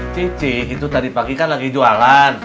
cici itu tadi pagi kan lagi jualan